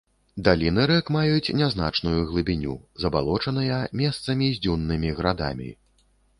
Даліны рэк маюць нязначную глыбіню, забалочаныя, месцамі з дзюннымі градамі.